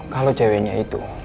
kalau ceweknya itu